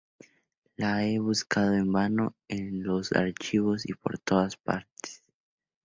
La he buscado en vano en los archivos y por todas partes.